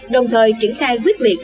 đồng thời triển khai quyết liệt